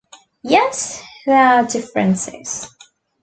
Yet, there are differences.